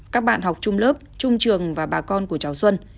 các bạn học trung lớp trung trường và bà con của cháu xuân